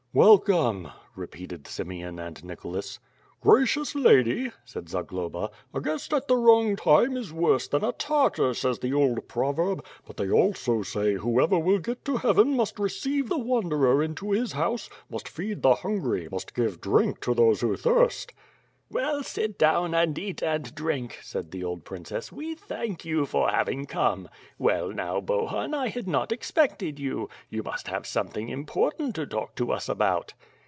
"Welcome," repeated Simeon and Nicholas. "Gracious Lady," said Zagloba, " 'a guest at the wrong time is worse than a Tartar,' says the old proverb; but they also say, 'whoever will get to Heaven must receive the wan dered into his house; must feed the hungry; must give drink to thos(; who thirst* ..." "Well, sit down and eat and drink," said the old princess. "We thank you for having come. Well now, Bohun, I had not expected you. You must have something important to talk to us about."